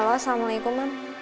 halo assalamualaikum mam